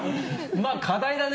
まあ、課題だね。